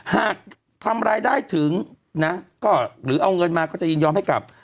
หากทำรายได้ถึงนะก็หรือเอาเงินมาก็จะยินยอมให้กลับ